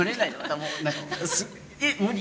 えっ無理！